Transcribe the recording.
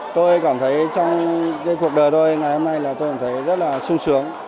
tôi cảm thấy trong cuộc đời tôi ngày hôm nay là tôi cảm thấy rất là sung sướng